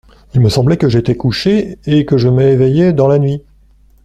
«Il me semblait que j'étais couché et que je m'éveillais dans la nuit.